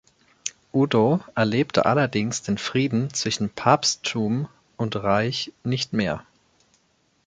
Udo erlebte allerdings den Frieden zwischen Papsttum und Reich nicht mehr.